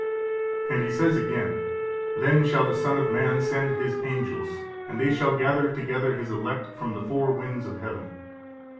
And He says again, "Then shall the Son of man send His angels, and they shall gather together His elect from the four winds of heaven."